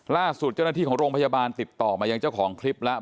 ล่าสุดเจ้าหน้าที่ของโรงพยาบาลติดต่อมายังเจ้าของคลิปแล้ว